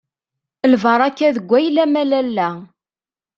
Lbaṛaka deg wayla-m a Lalla.